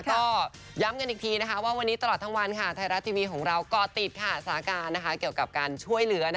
ก็ย้ำกันอีกทีว่าวันนี้ตลอดทั้งวันไทยรัฐทีวีของเราก่อติดสถานการณ์เกี่ยวกับการช่วยเหลือ